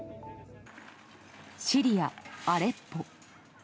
シリア・アレッポ。